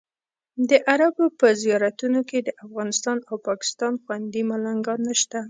د عربو په زیارتونو کې د افغانستان او پاکستان غوندې ملنګان نشته.